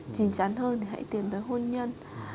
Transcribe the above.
chính chắn hơn thì hãy tiến tới hôn nhân